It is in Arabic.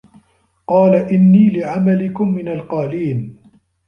قالَ إِنّي لِعَمَلِكُم مِنَ القالينَ